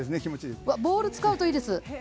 ボールを使うといいです。